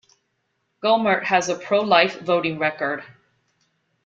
Gohmert has a pro-life voting record.